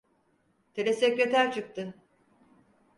Telesekreter çıktı.